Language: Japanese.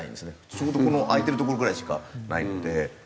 ちょうどこの空いてる所ぐらいしかないので。